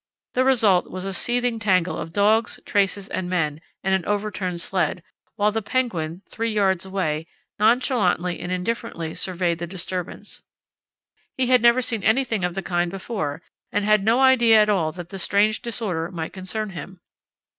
The result was a seething tangle of dogs, traces, and men, and an overturned sled, while the penguin, three yards away, nonchalantly and indifferently surveyed the disturbance. He had never seen anything of the kind before and had no idea at all that the strange disorder might concern him.